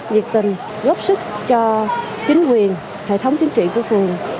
nhiệt tình góp sức cho chính quyền hệ thống chính trị của phường